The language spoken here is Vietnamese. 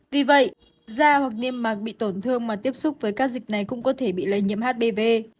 vì vậy da hoặc niêm mạc bị tổn thương mà tiếp xúc với các dịch này cũng có thể bị lây nhiễm hbv